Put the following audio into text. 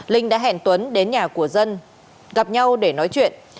linh đã hẹn tuấn đến nhà của dân gặp nhau để nói chuyện